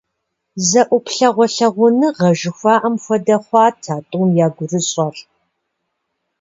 Зэ ӏуплъэгъуэ лъагъуныгъэ жыхуаӏэм хуэдэ хъуат а тӏум я гурыщӏэр.